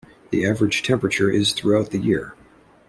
The average temperature is throughout the year.